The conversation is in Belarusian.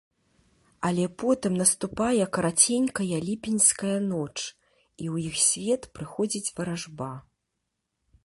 Але потым наступае караценькая ліпеньская ноч, і ў іх свет прыходзіць варажба.